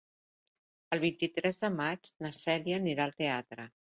El vint-i-tres de maig na Cèlia anirà al teatre.